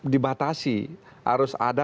dibatasi harus ada